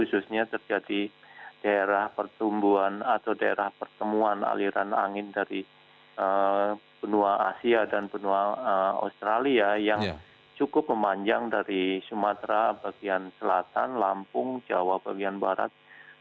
khususnya terjadi daerah pertumbuhan atau daerah pertemuan aliran angin dari benua asia dan benua australia yang cukup memanjang dari sumatera bagian selatan lampung jawa bagian barat